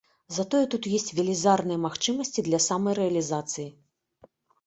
Затое тут ёсць велізарныя магчымасці для самарэалізацыі.